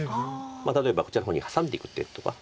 例えばこちらの方にハサんでいく手とか。